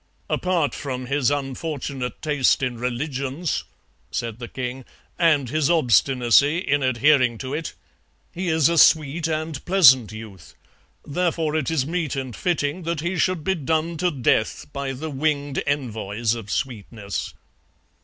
"'Apart from his unfortunate taste in religions;' said the king, 'and his obstinacy in adhering to it, he is a sweet and pleasant youth, therefore it is meet and fitting that he should be done to death by the winged envoys of sweetness.'